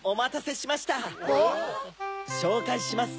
しょうかいします